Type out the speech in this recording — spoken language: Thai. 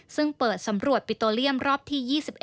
ซึ่งเปิดสำรวจปิโตเลียมรอบที่๒๑